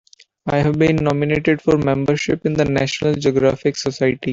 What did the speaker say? I've been nominated for membership in the National Geographic Society.